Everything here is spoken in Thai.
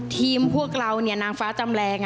ทีมพวกเรานี่นางฟ้าจำแรง